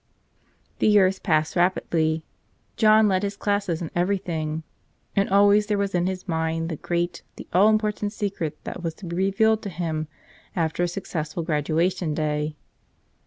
The years passed rapidly. John led his classes in everything. And always there was in his mind the great, the all important secret that was to be revealed to him after a successful graduation day.